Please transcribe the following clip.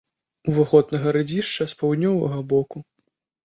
Уваход на гарадзішча з паўднёвага боку.